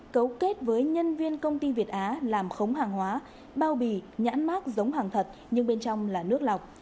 cấu kết với nhân viên công ty việt á làm khống hàng hóa bao bì nhãn mát giống hàng thật nhưng bên trong là nước lọc